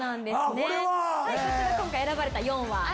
こちら今回選ばれた４羽。